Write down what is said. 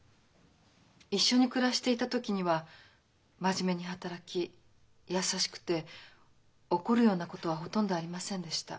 一緒に暮らしていた時には真面目に働き優しくて怒るようなことはほとんどありませんでした。